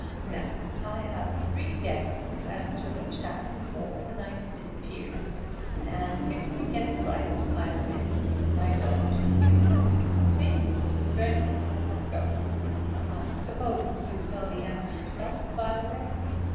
Now I have three guesses as to which hat he wore the night he disappeared, and if I guess right, I win; if I don't, you win. See? Ready? Go. I suppose you know the answer yourself, by the way."